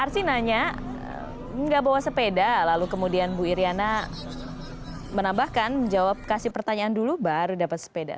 arsi nanya nggak bawa sepeda lalu kemudian bu iryana menambahkan menjawab kasih pertanyaan dulu baru dapat sepeda